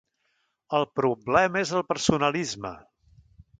El problema és el personalisme.